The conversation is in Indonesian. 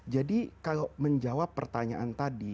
jadi kalau menjawab pertanyaan tadi